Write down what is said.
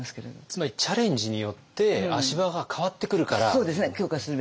つまりチャレンジによって足場が変わってくるから。